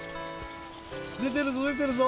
でてるぞでてるぞ！